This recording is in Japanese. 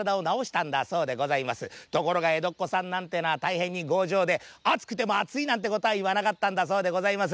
ところがえどっこさんなんてぇのはたいへんに強情であつくてもあついなんてことはいわなかったんだそうでございます。